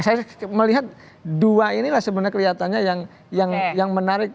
saya melihat dua inilah sebenarnya kelihatannya yang menarik